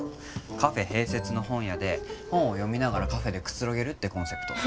カフェ併設の本屋で本を読みながらカフェでくつろげるってコンセプトの。